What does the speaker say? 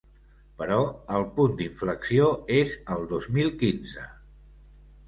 Però el punt d’inflexió és el dos mil quinze.